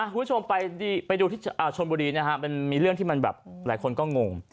หุ้นชมไปดูที่ชนบุรีมีเรื่องที่มันแบบหลายคนก็งง